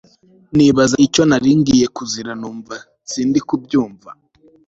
nibaza icyo naringiye kuzira numva sindi kubyumva